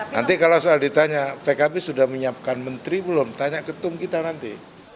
nanti kalau soal ditanya pkb sudah menyiapkan menteri belum tanya ketum kita nanti